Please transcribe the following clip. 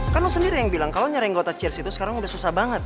kan lo sendiri yang bilang kalo nyari anggota cheers itu sekarang udah susah banget